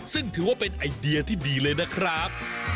ซึ่งถือว่าเป็นไอเดียที่ดีเลยนะครับ